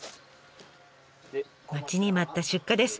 待ちに待った出荷です。